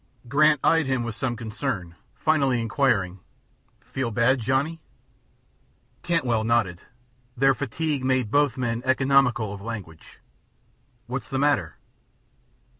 Grant eyed him with some concern, finally inquiring, "Feel bad, Johnny?" Cantwell nodded. Their fatigue made both men economical of language. "What's the matter?"